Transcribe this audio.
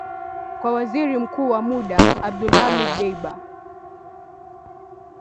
kwa Waziri Mkuu wa muda Abdulhamid Dbeibah